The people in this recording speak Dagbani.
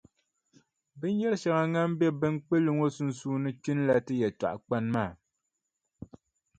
Binyɛrʼ shɛŋa ŋan be binkpulli ŋɔ sunsuuni kpinila ti yɛltɔɣikpani maa.